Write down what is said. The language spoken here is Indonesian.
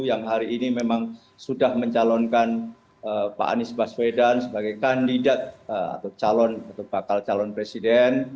yang hari ini memang sudah mencalonkan pak anies baswedan sebagai kandidat atau calon atau bakal calon presiden